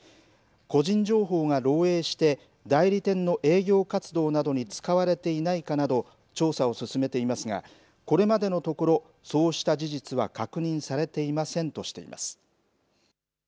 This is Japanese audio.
個人情報が漏えいして、代理店の営業活動などに使われていないかなど、調査を進めていますが、これまでのところ、そうした事実は確認されていませんとしています。